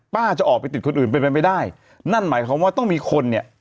จะออกไปติดคนอื่นเป็นไปไม่ได้นั่นหมายความว่าต้องมีคนเนี่ย